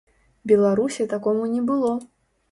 Беларусі такому не было.